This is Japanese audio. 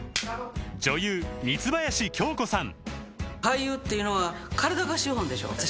女優三林京子さん